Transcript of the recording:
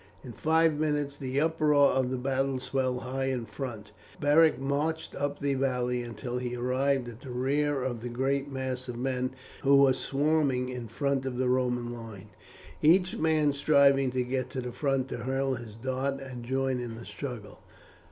In five minutes the uproar of battle swelled high in front. Beric marched up the valley until he arrived at the rear of the great mass of men who were swarming in front of the Roman line, each man striving to get to the front to hurl his dart and join in the struggle.